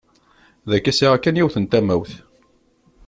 Dagi sɛiɣ kan yiwet n tamawt.